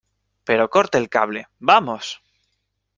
pero corte el cable, ¡ vamos!